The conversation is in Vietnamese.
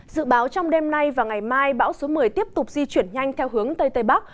dự báo trong đêm nay và ngày mai bão số một mươi tiếp tục di chuyển nhanh theo hướng tây tây bắc